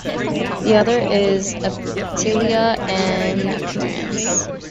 The other is epithelial in appearance.